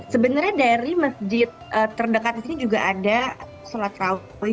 sebenarnya dari masjid terdekat di sini juga ada sholat raweh